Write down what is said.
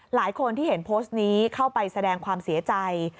หลายคนที่เห็นโพสต์นี้เข้าไปแสดงความเสียใจ